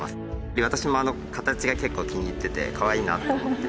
で私もあの形が結構気に入っててかわいいなって思って。